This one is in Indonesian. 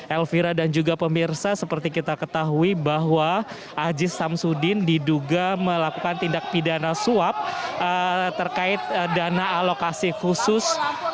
elvira dan juga pemirsa seperti kita ketahui bahwa aziz samsudin diduga melakukan tindak pidana suap terkait dana alokasi khusus